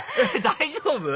大丈夫？